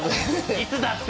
「いつだって」。